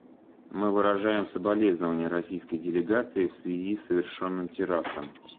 Мы выражаем соболезнования российской делегации в связи с совершенным терактом.